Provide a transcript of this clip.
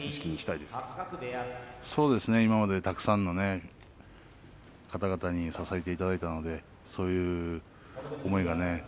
そうですね今までたくさんの方々に支えていただいたんでそういう思いがね